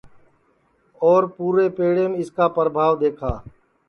اور پُورے پیڑیم اِس کا پربھاو دؔیکھا